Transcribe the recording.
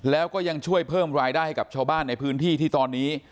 แล้วก็ยังช่วยเพิ่มรายได้ให้กับชาวบ้านในพื้นที่ที่ตอนนี้